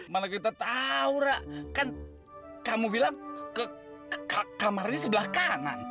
mana kita tau ra kan kamu bilang ke kamarnya sebelah kanan